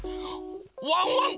ワンワン